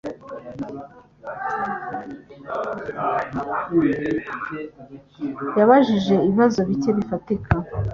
Yabajije ibibazo bike bifatika.